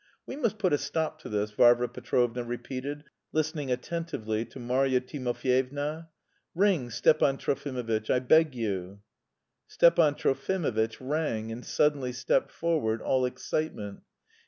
"We must put a stop to this," Varvara Petrovna repeated, listening attentively to Marya Timofyevna. "Ring, Stepan Trofimovitch, I beg you." Stepan Trofimovitch rang, and suddenly stepped forward, all excitement.